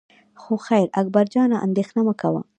خو خیر اکبر جانه اندېښنه مه کوه.